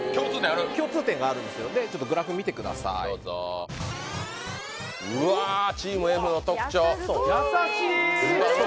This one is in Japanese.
共通点があるんですよでグラフ見てくださいうわチームＦの特徴優しい！